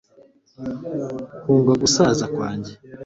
Hunga gusaza kwanjye